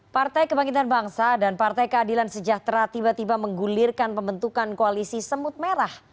partai kebangkitan bangsa dan partai keadilan sejahtera tiba tiba menggulirkan pembentukan koalisi semut merah